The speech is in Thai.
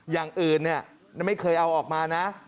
อย่างอื่นเนี่ยไม่เคยเอาออกมานะ